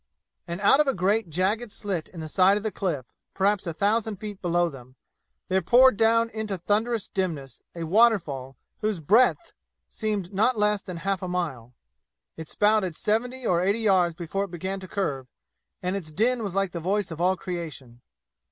And out of a great, jagged slit in the side of the cliff, perhaps a thousand feet below them, there poured down into thunderous dimness a waterfall whose breadth seemed not less than half a mile. It spouted seventy or eighty yards before it began to curve, and its din was like the voice of all creation.